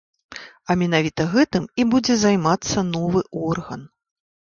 А менавіта гэтым і будзе займацца новы орган.